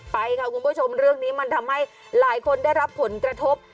ไปค่ะคุณผู้ชมเรื่องนี้มันทำให้หลายคนได้รับผลกระทบ